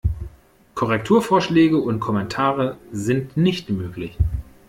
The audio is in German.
Korrekturvorschläge und Kommentare sind nicht möglich.